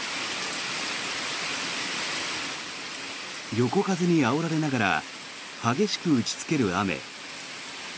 横風にあおられながら激しく打ちつける雨。